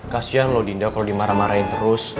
kasian loh dinda kalau dimarah marahin terus